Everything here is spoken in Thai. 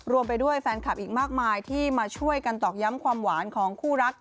ไปด้วยแฟนคลับอีกมากมายที่มาช่วยกันตอกย้ำความหวานของคู่รัก